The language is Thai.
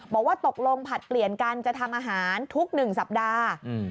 บอกว่าตกลงผลัดเปลี่ยนกันจะทำอาหารทุก๑สัปดาห์